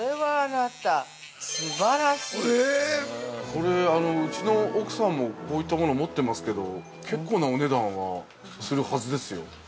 ◆これ、うちの奥さんもこういったものを持っていますけど結構なお値段は、するはずですよ。